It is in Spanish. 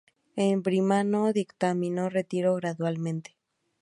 El birmano dictaminó retiró gradualmente.